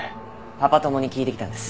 パパ友に聞いてきたんです。